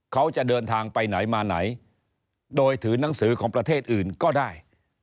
เขาจะเดินทางไปไหนมาไหนโดยถือหนังสือของประเทศอื่นก็ได้